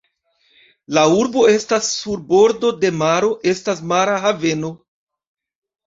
La urbo estas sur bordo de maro, estas mara haveno.